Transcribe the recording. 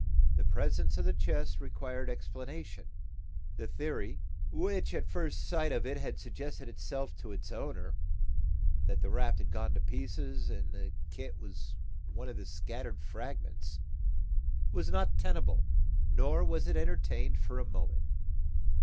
The presence of the chest required explanation. The theory, which at first sight of it had suggested itself to its owner (that the raft had gone to pieces and that the kit was one of the scattered fragments) was not tenable, nor was it entertained for a moment.